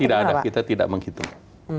tidak ada kita tidak menghitung